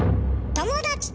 友達と？